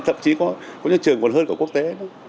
thậm chí có những trường còn hơn của quốc tế nữa